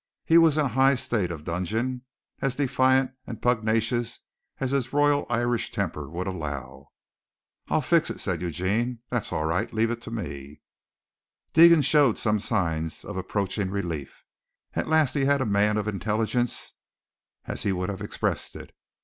He was in a high state of dudgeon as defiant and pugnacious as his royal Irish temper would allow. "I'll fix it," said Eugene. "That's all right. Leave it to me." Deegan showed some signs of approaching relief. At last he had a man of "intilligence," as he would have expressed it.